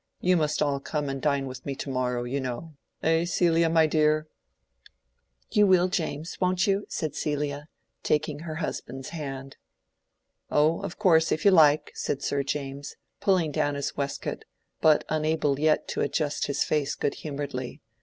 "You must all come and dine with me to morrow, you know—eh, Celia, my dear?" "You will, James—won't you?" said Celia, taking her husband's hand. "Oh, of course, if you like," said Sir James, pulling down his waistcoat, but unable yet to adjust his face good humoredly.